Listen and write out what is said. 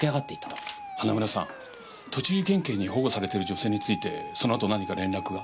花村さん栃木県警に保護されている女性についてそのあと何か連絡が？